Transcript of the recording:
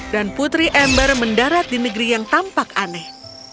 dan putri amber mendarat di negeri yang tampak aneh